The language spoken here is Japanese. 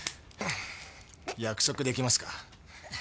約束出来ますか？